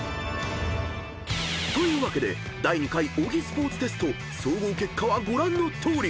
［というわけで第２回小木スポーツテスト総合結果はご覧のとおり］